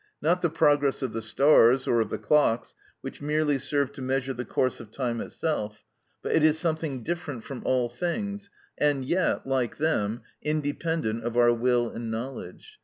Not the progress of the stars, or of the clocks, which merely serve to measure the course of time itself, but it is something different from all things, and yet, like them, independent of our will and knowledge.